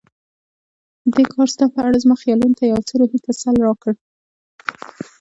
دې کار ستا په اړه زما خیالونو ته یو څه روحي تسل راکړ.